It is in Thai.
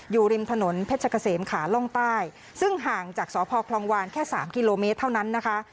อยู่ริมถนนเพชรเกษมขาล่องใต้ซึ่งห่างจากสพคลองวานแค่สามกิโลเมตรเท่านั้นนะคะ